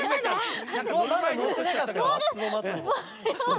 えっ？